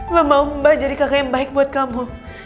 wah mau mbak jadi kakak yang baik buat kamu